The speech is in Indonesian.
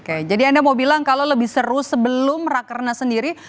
oke jadi anda mau bilang kalau lebih seru sebelum rakerna sendiri